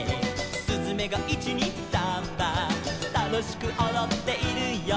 「すずめが１・２・サンバ」「楽しくおどっているよ」